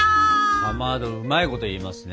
かまどうまいこと言いますね。